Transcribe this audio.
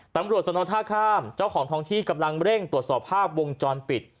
ตำรวจสนท่าข้ามเจ้าของทองที่กำลังเร่งตรวจสอบภาพวงจรปิด